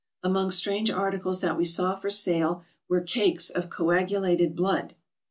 Among strange articles that we saw for sale were MISCELLANEOUS 409 cakes of coagulated blood.